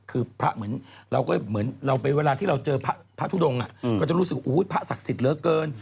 คือพระเหมือนเราไปเวลาที่เราเจอพระทุดงก็จะรู้สึกอู้ยพระศักดิ์สิทธิ์เลอะเกิน